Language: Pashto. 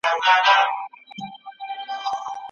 موږ به د عدالت اصول پلي کړي وي.